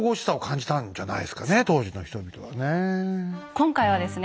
今回はですね